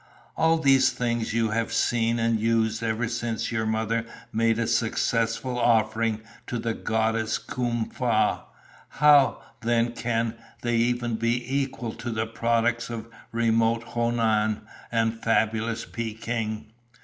All these things you have seen and used ever since your mother made a successful offering to the Goddess Kum Fa. How, then, can they be even equal to the products of remote Honan and fabulous Peking?